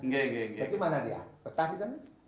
bagaimana dia petah misalnya